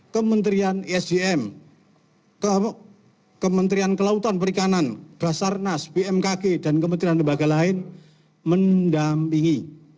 kementerian esdm kementerian kelautan perikanan basarnas bmkg dan kementerian lembaga lain mendampingi